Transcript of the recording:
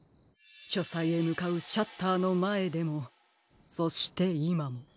しょさいへむかうシャッターのまえでもそしていまも。